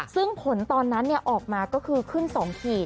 ซึ่งผลตอนนั้นออกมาก็คือขึ้น๒ขีด